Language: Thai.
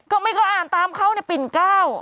ก็ไม่เขาอ่านตามเขาในปิ่นเก้า